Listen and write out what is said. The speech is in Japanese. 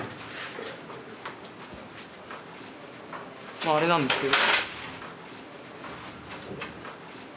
まあアレなんですけど。